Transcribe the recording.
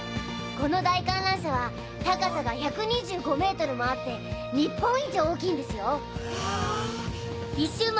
この大観覧車は高さが１２５ｍもあって日本一大きいんですよ！